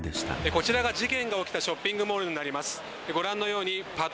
こちらが事件が起きたショッピングモールになります。